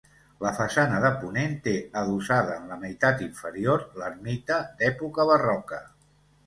La façana de ponent té adossada en la meitat inferior l'ermita d'època barroca.